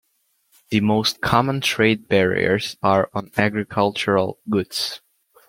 The most common trade barriers are on agricultural goods.